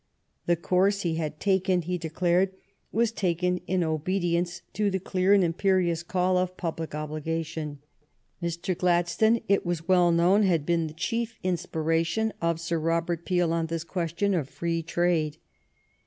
The course he had taken, he de clared, was taken in obedience to the clear and imperious call of public obligation. Mr. Glad stone, it was well known, had been the chief inspiration of Sir Robert Peel on this question of free trade.